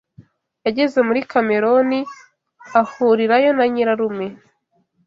Yageze muri Cameroni ahurirayo na nyira rume